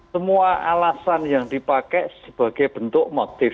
semua alasan yang dipakai sebagai bentuk motif